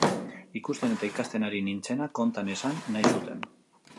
Ikusten eta ikasten ari nintzena konta nezan nahi zuten.